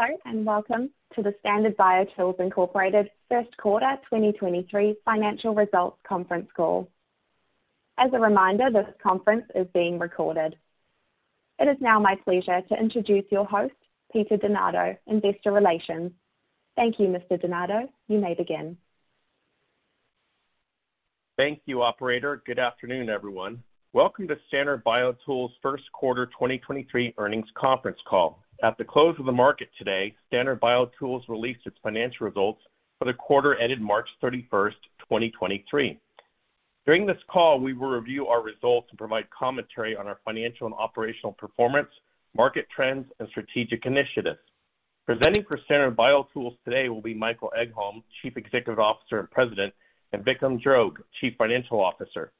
Hello, welcome to the Standard BioTools Inc. First Quarter 2023 Financial Results Conference Call. As a reminder, this conference is being recorded. It is now my pleasure to introduce your host, Peter DeNardo, Investor Relations. Thank you, Mr. DeNardo. You may begin. Thank you, operator. Good afternoon, everyone. Welcome to Standard BioTools first quarter 2023 earnings conference call. At the close of the market today, Standard BioTools released its financial results for the quarter ended March 31, 2023. During this call, we will review our results and provide commentary on our financial and operational performance, market trends, and strategic initiatives. Presenting for Standard BioTools today will be Michael Egholm, Chief Executive Officer and President, and Vikram Jog, Chief Financial Officer.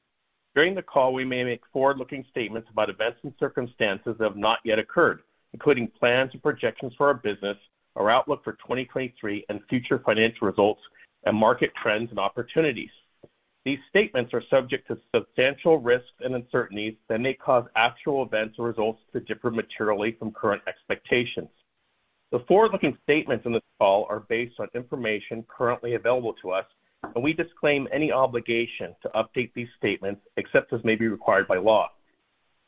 During the call, we may make forward-looking statements about events and circumstances that have not yet occurred, including plans and projections for our business, our outlook for 2023 and future financial results and market trends and opportunities. These statements are subject to substantial risks and uncertainties that may cause actual events or results to differ materially from current expectations. The forward-looking statements in this call are based on information currently available to us, and we disclaim any obligation to update these statements except as may be required by law.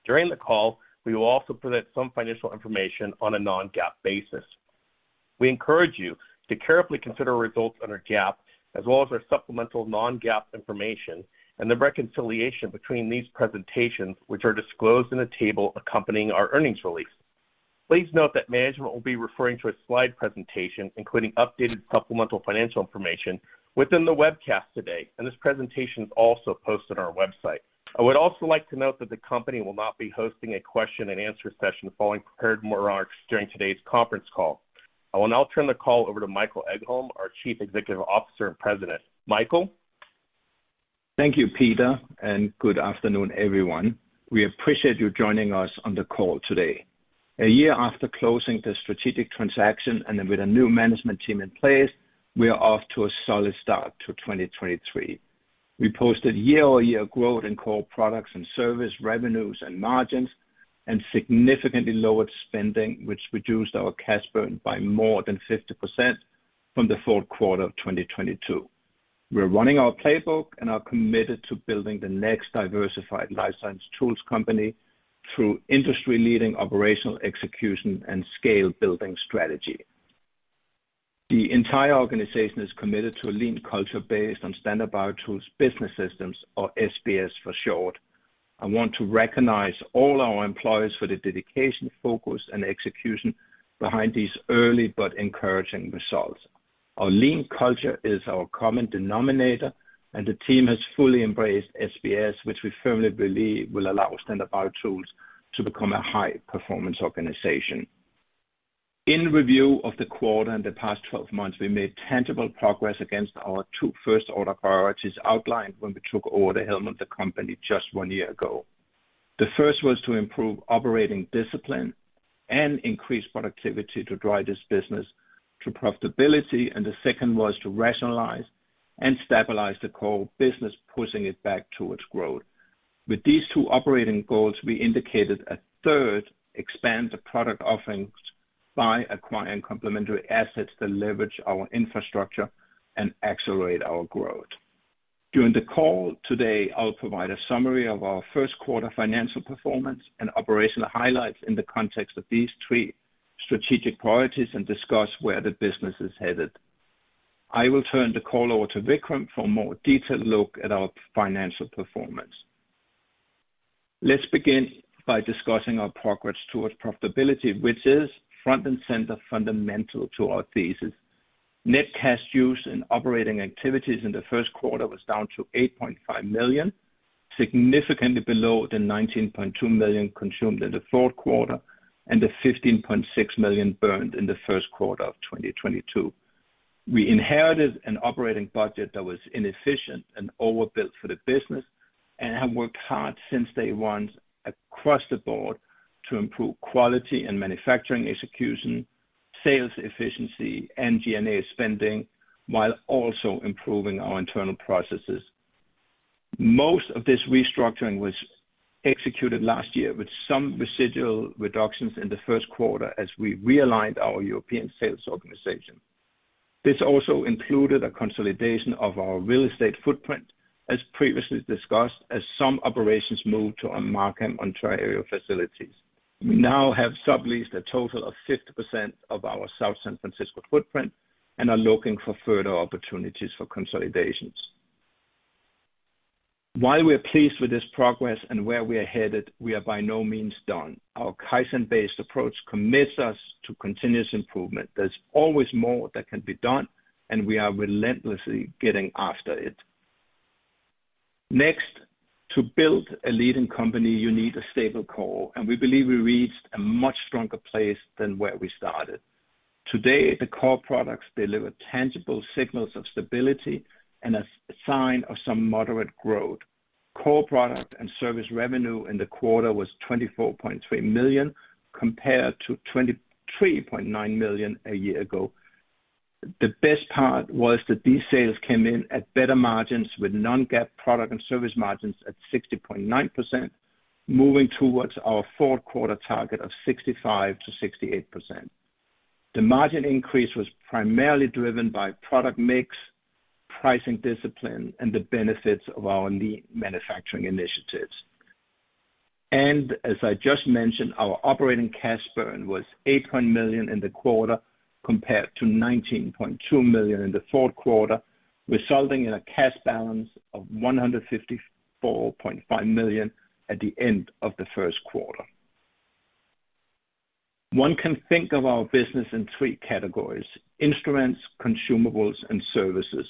During the call, we will also present some financial information on a non-GAAP basis. We encourage you to carefully consider results under GAAP as well as our supplemental non-GAAP information and the reconciliation between these presentations, which are disclosed in the table accompanying our earnings release. Please note that management will be referring to a slide presentation, including updated supplemental financial information within the webcast today, and this presentation is also posted on our website. I would also like to note that the company will not be hosting a question and answer session following prepared remarks during today's conference call. I will now turn the call over to Michael Egholm, our Chief Executive Officer and President. Michael? Thank you, Peter and good afternoon, everyone. We appreciate you joining us on the call today. A year after closing the strategic transaction and then with a new management team in place, we are off to a solid start to 2023. We posted year-over-year growth in core products and service revenues and margins, and significantly lowered spending, which reduced our cash burn by more than 50% from Q4 2022. We're running our playbook and are committed to building the next diversified life science tools company through industry-leading operational execution and scale building strategy. The entire organization is committed to a lean culture based on Standard BioTools Business System, or SBS for short. I want to recognize all our employees for their dedication, focus, and execution behind these early but encouraging results. Our lean culture is our common denominator. The team has fully embraced SBS, which we firmly believe will allow Standard BioTools to become a high-performance organization. In review of the quarter in the past 12 months, we made tangible progress against our two first order priorities outlined when we took over the helm of the company just one year ago. The first was to improve operating discipline and increase productivity to drive this business to profitability, and the second was to rationalize and stabilize the core business, pushing it back to its growth. With these two operating goals, we indicated a third, expand the product offerings by acquiring complementary assets that leverage our infrastructure and accelerate our growth. During the call today, I'll provide a summary of our first quarter financial performance and operational highlights in the context of these three strategic priorities and discuss where the business is headed. I will turn the call over to Vikram for a more detailed look at our financial performance. Let's begin by discussing our progress towards profitability, which is front and center fundamental to our thesis. Net cash use in operating activities in the first quarter was down to $8.5 million, significantly below the $19.2 million consumed in the fourth quarter and the $15.6 million burned in the first quarter of 2022. We inherited an operating budget that was inefficient and overbuilt for the business and have worked hard since day one across the board to improve quality and manufacturing execution, sales efficiency, and G&A spending, while also improving our internal processes. Most of this restructuring was executed last year, with some residual reductions in the first quarter as we realigned our European sales organization. This also included a consolidation of our real estate footprint, as previously discussed, as some operations moved to our Markham, Ontario facilities. We now have subleased a total of 50% of our South San Francisco footprint and are looking for further opportunities for consolidations. While we are pleased with this progress and where we are headed, we are by no means done. Our Kaizen-based approach commits us to continuous improvement. There's always more that can be done, and we are relentlessly getting after it. Next, to build a leading company, you need a stable core, and we believe we reached a much stronger place than where we started. Today, the core products deliver tangible signals of stability and a sign of some moderate growth. Core product and service revenue in the quarter was $24.3 million, compared to $23.9 million a year ago. The best part was that these sales came in at better margins with non-GAAP product and service margins at 60.9%, moving towards our fourth quarter target of 65%-68%. The margin increase was primarily driven by product mix, pricing discipline, and the benefits of our lean manufacturing initiatives. As I just mentioned, our operating cash burn was $8 million in the quarter compared to $19.2 million in the fourth quarter, resulting in a cash balance of $154.5 million at the end of the first quarter. One can think of our business in three categories: instruments, consumables, and services.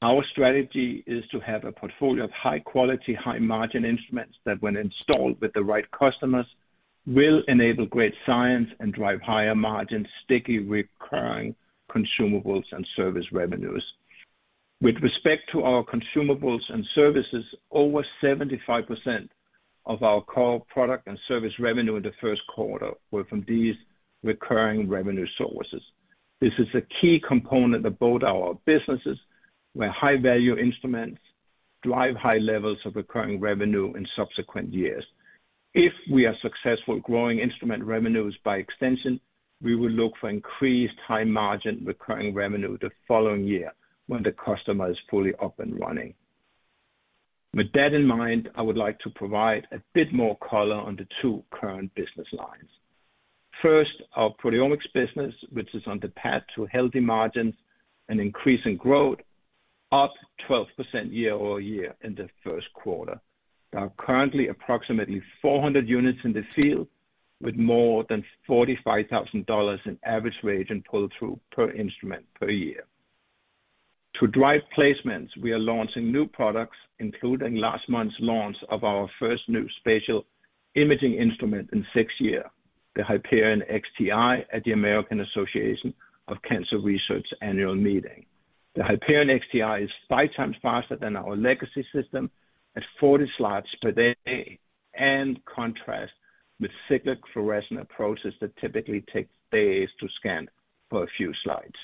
Our strategy is to have a portfolio of high quality, high margin instruments that when installed with the right customers, will enable great science and drive higher margin, sticky, recurring consumables and service revenues. With respect to our consumables and services, over 75% of our core product and service revenue in Q1 were from these recurring revenue sources. This is a key component of both our businesses, where high value instruments drive high levels of recurring revenue in subsequent years. If we are successful growing instrument revenues by extension, we will look for increased high margin recurring revenue the following year when the customer is fully up and running. With that in mind, I would like to provide a bit more color on the two current business lines. First, our proteomics business, which is on the path to healthy margins and increasing growth, up 12% year-over-year in the first quarter. There are currently approximately 400 units in the field with more than $45,000 in average rate and pull-through per instrument per year. To drive placements, we are launching new products, including last month's launch of our first new spatial imaging instrument in six year, the Hyperion XTi at the American Association for Cancer Research annual meeting. The Hyperion XTi is five times faster than our legacy system at 40 slides per day. Contrast with cyclic fluorescent approaches that typically take days to scan for a few slides.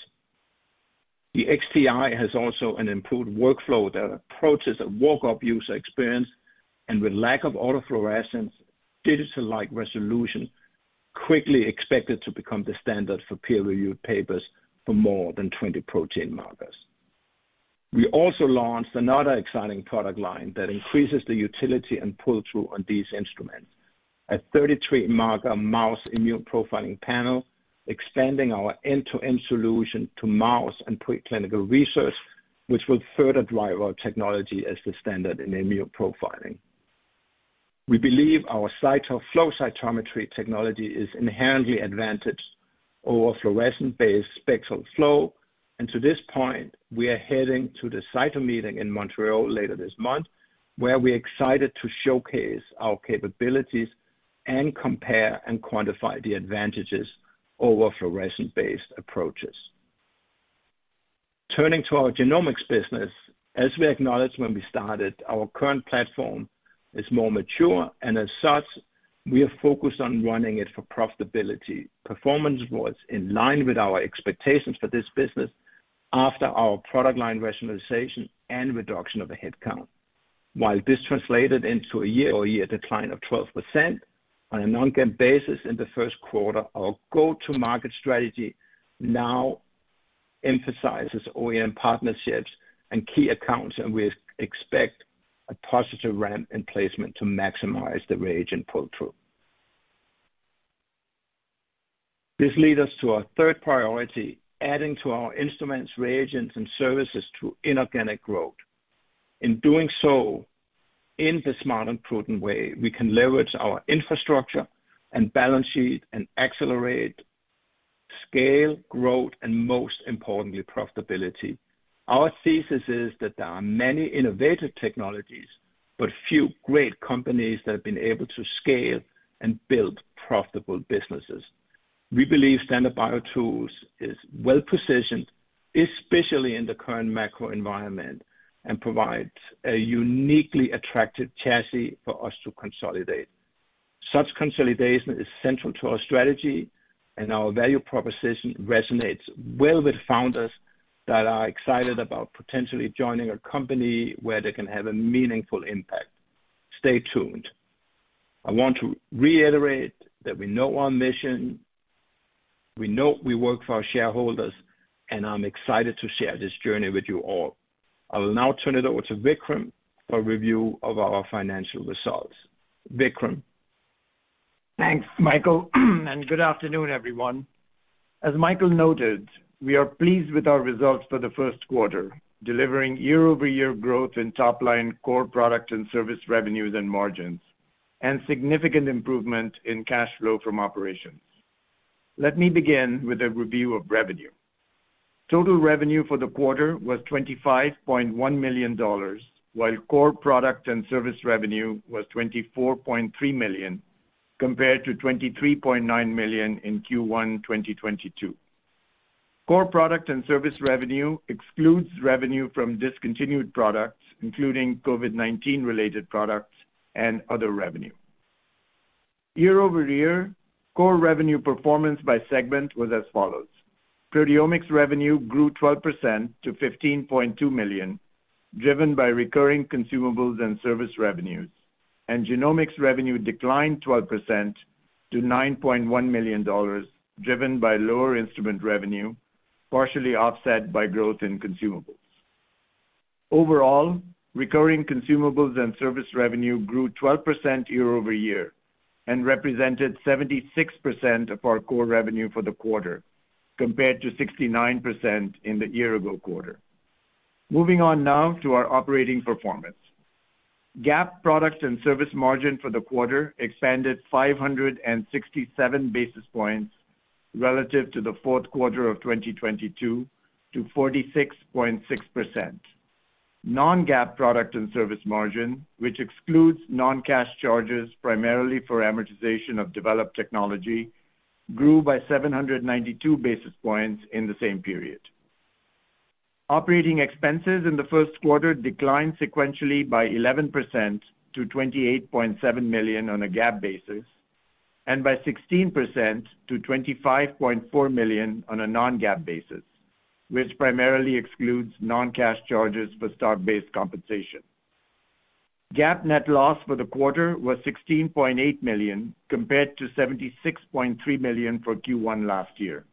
The XTi has also an improved workflow that approaches a walk-up user experience, with lack of autofluorescence, digital-like resolution quickly expected to become the standard for peer-reviewed papers for more than 20 protein markers. We also launched another exciting product line that increases the utility and pull-through on these instruments. A 33 marker mouse immune profiling panel, expanding our end-to-end solution to mouse and preclinical research, which will further drive our technology as the standard in immune profiling. We believe our CyTOF flow cytometry technology is inherently advantaged over fluorescent-based spectral flow. To this point, we are heading to the CyTOF meeting in Montreal later this month, where we're excited to showcase our capabilities and compare and quantify the advantages over fluorescent-based approaches. Turning to our genomics business. As we acknowledged when we started, our current platform is more mature, as such, we are focused on running it for profitability. Performance was in line with our expectations for this business after our product line rationalization and reduction of the headcount. While this translated into a year-over-year decline of 12% on a non-GAAP basis in the first quarter, our go-to-market strategy now emphasizes OEM partnerships and key accounts, we expect a positive ramp in placement to maximize the reagent pull-through. This lead us to our third priority, adding to our instruments, reagents, and services through inorganic growth. In doing so, in the smart and prudent way, we can leverage our infrastructure and balance sheet and accelerate scale, growth, and most importantly, profitability. Our thesis is that there are many innovative technologies, but few great companies that have been able to scale and build profitable businesses. We believe Standard BioTools is well-positioned, especially in the current macro environment, and provides a uniquely attractive chassis for us to consolidate. Such consolidation is central to our strategy, and our value proposition resonates well with founders that are excited about potentially joining a company where they can have a meaningful impact. Stay tuned. I want to reiterate that we know our mission, we know we work for our shareholders, and I'm excited to share this journey with you all. I will now turn it over to Vikram for a review of our financial results. Vikram? Thanks, Michael, and good afternoon, everyone. As Michael noted, we are pleased with our results for the first quarter, delivering year-over-year growth in top line core product and service revenues and margins, and significant improvement in cash flow from operations. Let me begin with a review of revenue. Total revenue for the quarter was $25.1 million, while core product and service revenue was $24.3 million, compared to $23.9 million in Q1 2022. Core product and service revenue excludes revenue from discontinued products, including COVID-19 related products and other revenue. Year-over-year core revenue performance by segment was as follows. Proteomics revenue grew 12% to $15.2 million, driven by recurring consumables and service revenues, and genomics revenue declined 12% to $9.1 million, driven by lower instrument revenue, partially offset by growth in consumables. Overall, recurring consumables and service revenue grew 12% year-over-year and represented 76% of our core revenue for the quarter, compared to 69% in the year-ago quarter. Moving on now to our operating performance. GAAP products and service margin for the quarter expanded 567 basis points relative to the fourth quarter of 2022 to 46.6%. non-GAAP product and service margin, which excludes non-cash charges primarily for amortization of developed technology, grew by 792 basis points in the same period. Operating expenses in the first quarter declined sequentially by 11% to $28.7 million on a GAAP basis and by 16% to $25.4 million on a non-GAAP basis, which primarily excludes non-cash charges for stock-based compensation. GAAP net loss for the quarter was $16.8 million compared to $76.3 million for Q1 last year.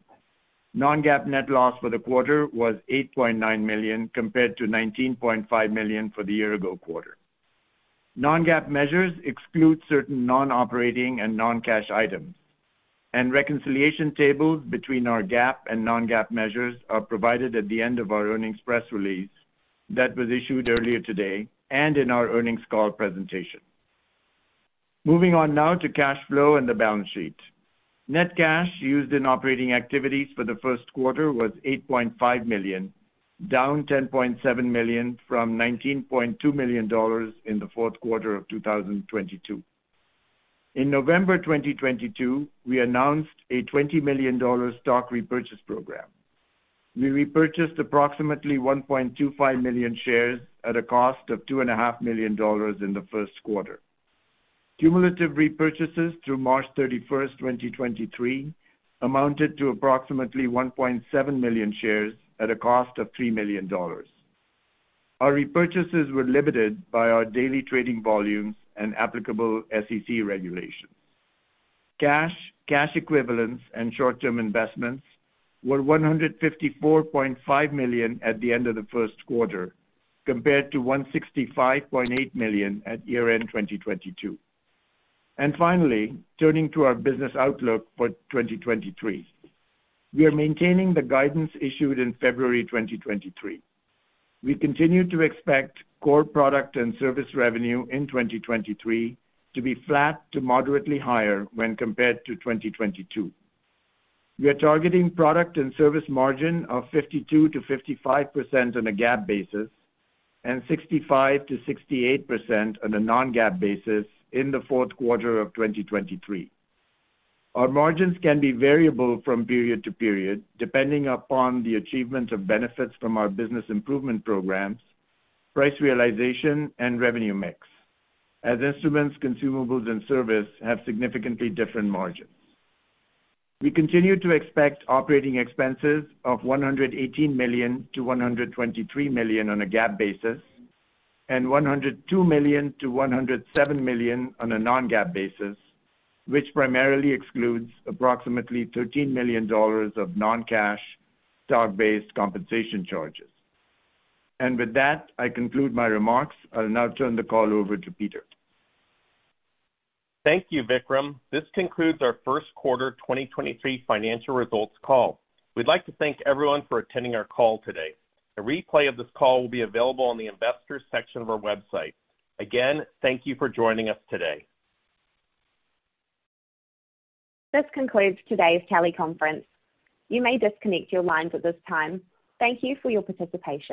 non-GAAP net loss for the quarter was $8.9 million compared to $19.5 million for the year ago quarter. non-GAAP measures exclude certain non-operating and non-cash items, and reconciliation tables between our GAAP and non-GAAP measures are provided at the end of our earnings press release that was issued earlier today and in our earnings call presentation. Moving on now to cash flow and the balance sheet. Net cash used in operating activities for the first quarter was $8.5 million, down $10.7 million from $19.2 million in the fourth quarter of 2022. In November 2022, we announced a $20 million stock repurchase program. We repurchased approximately 1.25 million shares at a cost of two and a half million dollars in the first quarter. Cumulative repurchases through March 31, 2023 amounted to approximately 1.7 million shares at a cost of $3 million. Our repurchases were limited by our daily trading volumes and applicable SEC regulations. Cash, cash equivalents, and short-term investments were $154.5 million at the end of the first quarter compared to $165.8 million at year-end 2022. Finally, turning to our business outlook for 2023. We are maintaining the guidance issued in February 2023. We continue to expect core product and service revenue in 2023 to be flat to moderately higher when compared to 2022. We are targeting product and service margin of 52%-55% on a GAAP basis and 65%-68% on a non-GAAP basis in the fourth quarter of 2023. Our margins can be variable from period to period, depending upon the achievement of benefits from our business improvement programs, price realization, and revenue mix, as instruments, consumables, and service have significantly different margins. We continue to expect operating expenses of $118 million-$123 million on a GAAP basis and $102 million-$107 million on a non-GAAP basis, which primarily excludes approximately $13 million of non-cash stock-based compensation charges. With that, I conclude my remarks. I'll now turn the call over to Peter. Thank you, Vikram. This concludes our first quarter 2023 financial results call. We'd like to thank everyone for attending our call today. A replay of this call will be available on the investors section of our website. Again, thank you for joining us today. This concludes today's teleconference. You may disconnect your lines at this time. Thank you for your participation.